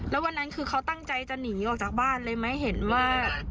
แล้ววันนั้นคือเขาตั้งใจจะหนีออกจากบ้านเลยไหมเห็นว่า